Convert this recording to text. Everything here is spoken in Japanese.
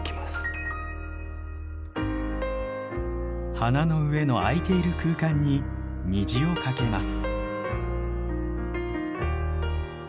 花の上の空いている空間に虹をかけます。